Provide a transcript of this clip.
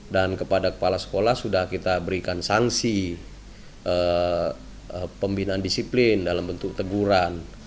dan kepada kepala sekolah sudah kita berikan sanksi pembinaan disiplin dalam bentuk teguran